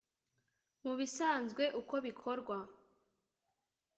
Mu bisanzwe uko bikorwa